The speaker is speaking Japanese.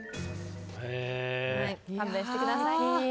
勘弁してください！